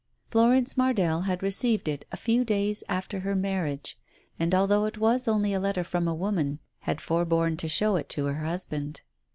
Florence Mardell had received it a few days after her marriage, and although it was only a letter from a woman, had forborne to show it to her husband.